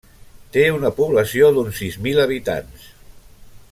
Té una població d'uns sis mil habitants.